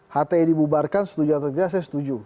hti dibubarkan setuju atau tidak saya setuju